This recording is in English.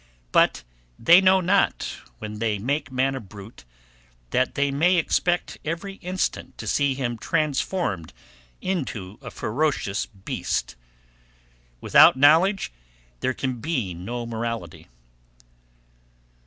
But they know not, when they make man a brute, that they may expect every instant to see him transformed into a ferocious beast. Without knowledge there can be no morality!